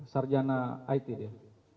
sarjana it dia